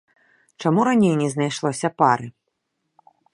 Чаму раней не знайшлося пары?